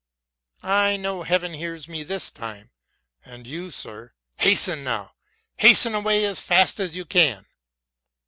I know Heaven hears me this time. And you, sir, hasten now, hasten away as fast as you can!"